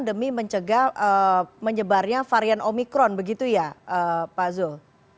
demi mencegah menyebarnya varian omikron begitu ya pak zul